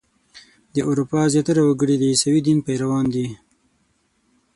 د اروپا زیاتره وګړي د عیسوي دین پیروان دي.